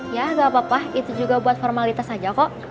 ya gak apa apa itu juga buat formalitas saja kok